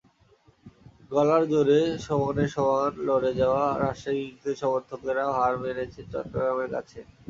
গলার জোরে সমানে সমান লড়ে যাওয়া রাজশাহী কিংসের সমর্থকেরাও হার মেনেছেন চট্টগ্রামের কাছে।